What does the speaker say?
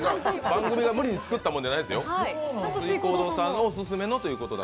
番組が作ったものじゃないですよ。